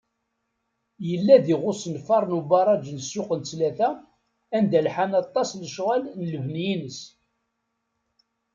Yella diɣ usenfar n ubaraǧ n Ssuq n Ttlata, anda lḥan aṭas lecɣal n lebni-ines.